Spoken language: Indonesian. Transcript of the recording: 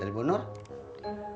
dari bu nur juga belum ada pak